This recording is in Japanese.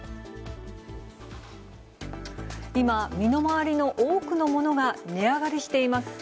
今、身の回りの多くのものが値上がりしています。